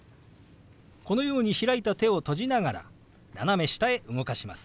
このように開いた手を閉じながら斜め下へ動かします。